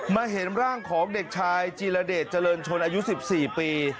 เห็นร่างของเด็กชายจีรเดชเจริญชนอายุ๑๔ปี